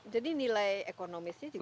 jadi nilai ekonomisnya juga